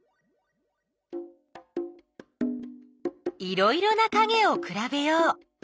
いろいろなかげをくらべよう！